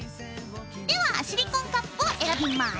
ではシリコンカップを選びます。